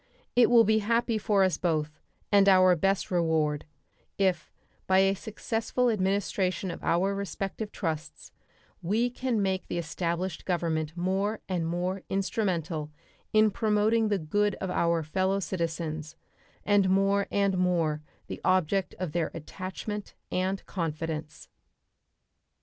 It will be happy for us both, and our best reward, if, by a successful administration of our respective trusts, we can make the established Government more and more instrumental in promoting the good of our fellow citizens, and more and more the object of their attachment and confidence.